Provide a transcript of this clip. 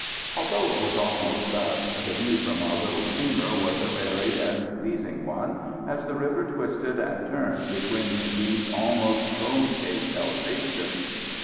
Although it was almost dusk the view from our little steamer was a varied and pleasing one, as the river twisted and turned between these almost cone shaped elevations.